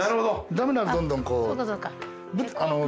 駄目ならどんどんこう。